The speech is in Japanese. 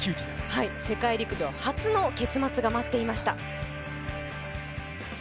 世界陸上初の結末が待っていました。